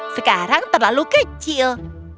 sekarang terlalu kecil